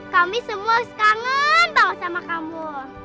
kami semua kangen tahu sama kamu